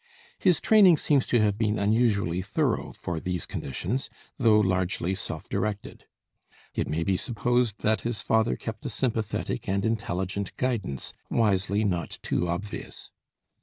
His training seems to have been unusually thorough for these conditions, though largely self directed; it may be supposed that his father kept a sympathetic and intelligent guidance, wisely not too obvious.